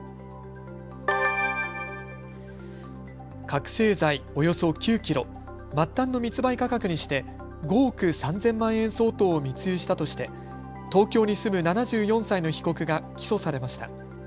覚醒剤およそ９キロ、末端の密売価格にして５億３０００万円相当を密輸したとして、東京に住む７４歳の被告が起訴されました。